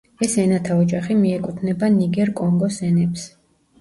ეს ენათა ოჯახი მიეკუთვნება ნიგერ-კონგოს ენებს.